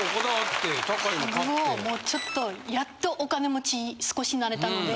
ちょっとやっとお金持ち少しなれたので。